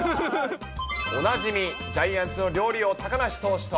おなじみ、ジャイアンツの料理王、高梨投手と。